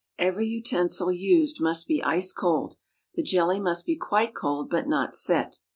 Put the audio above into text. Every utensil used must be ice cold, the jelly must be quite cold, but not set.